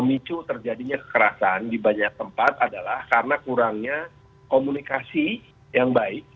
memicu terjadinya kekerasan di banyak tempat adalah karena kurangnya komunikasi yang baik